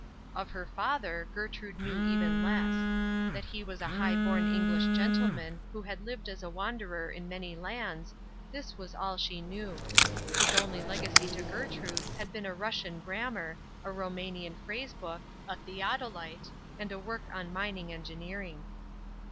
Of her father Gertrude knew even less. That he was a high born English gentleman who had lived as a wanderer in many lands, this was all she knew. His only legacy to Gertrude had been a Russian grammar, a Roumanian phrase book, a theodolite, and a work on mining engineering.